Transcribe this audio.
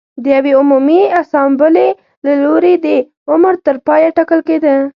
د یوې عمومي اسامبلې له لوري د عمر تر پایه ټاکل کېده